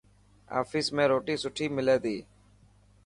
آفيس ۾ روٽي سٺي هلي تي.